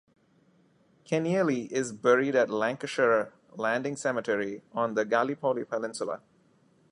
Kenealy is buried at Lancashire Landing Cemetery on the Gallipoli Peninsula.